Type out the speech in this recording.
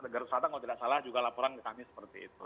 garut selatan kalau tidak salah juga laporan ke kami seperti itu